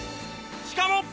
しかも。